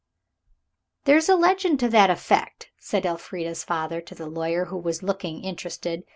"There is a legend to that effect," said Elfrida's father to the lawyer, who was looking interested.